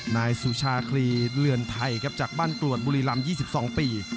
นายสุชาคลีเรือนไทยครับจากบ้านกรวดบุรีลำ๒๒ปี